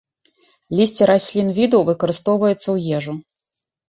Лісце раслін віду выкарыстоўваюцца ў ежу.